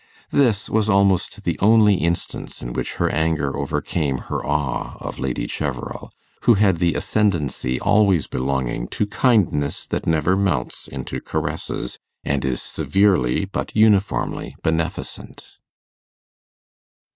This was almost the only instance in which her anger overcame her awe of Lady Cheverel, who had the ascendancy always belonging to kindness that never melts into caresses, and is severely but uniformly beneficent.